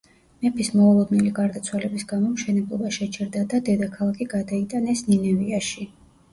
მეფის მოულოდნელი გარდაცვალების გამო მშენებლობა შეჩერდა და დედაქალაქი გადაიტანეს ნინევიაში.